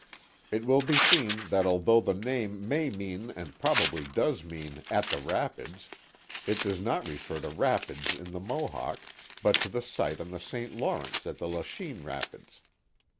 It will be seen that although the name may mean and probably does mean "at the Rapids,'* it does not refer to rapids in the Mohawk, but to the site on the St. Lawrence at the Lachine Rapids.